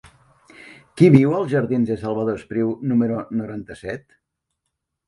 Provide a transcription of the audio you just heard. Qui viu als jardins de Salvador Espriu número noranta-set?